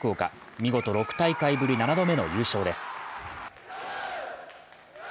見事６大会ぶり７度目の優勝です。